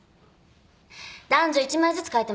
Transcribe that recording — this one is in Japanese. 男女１枚ずつ描いてもらいます。